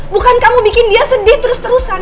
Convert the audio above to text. bukan kamu bikin dia sedih terus terusan